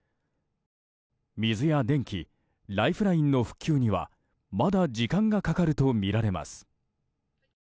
水や電気ライフラインの復旧にはまだ時間がかかるとみられます。